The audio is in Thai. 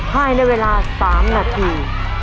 ให้ในเวลา๓นาที